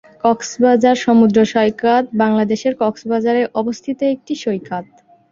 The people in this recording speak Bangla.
কক্সবাজার সমুদ্র সৈকত বাংলাদেশের কক্সবাজারে অবস্থিত একটি সৈকত।